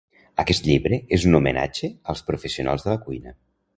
Aquest llibre és un homenatge als professionals de la cuina